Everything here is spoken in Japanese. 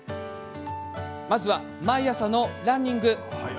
まずは毎朝のランニング。